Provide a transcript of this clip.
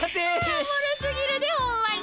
おもろすぎるでホンマに。